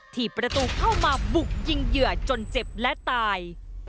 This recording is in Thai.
ถีบประตูเข้ามาบุกยิงเหยื่อจนเจ็บและตาย